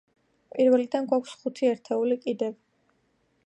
პირველიდან გვაქვს ხუთი ერთეული კიდევ.